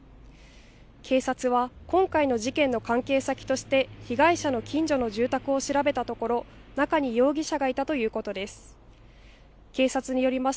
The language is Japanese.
警察は今回の事件の関係先として被害者の近所の住宅を調べたところ中に容疑者がいたということです。